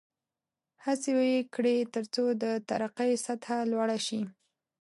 هڅې یې کړې ترڅو د ترقۍ سطحه لوړه شي.